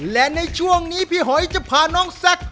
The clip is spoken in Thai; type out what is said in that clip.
และในช่วงนี้พี่หอยจะพาน้องแซค